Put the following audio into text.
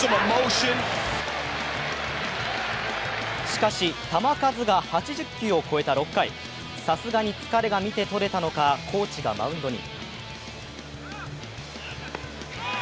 しかし、球数が８０球を超えた６回、さすがに疲れが見てとれたのか、コーチがマウンドに。